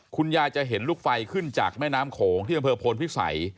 คุณยายจะเห็นลูกไฟขึ้นจากแม่น้ำโขงที่บริษัย